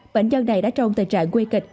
bệnh nhân này đã trong tình trạng nguy kịch